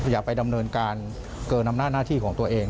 อย่าไปดำเนินการเกินอำนาจหน้าที่ของตัวเอง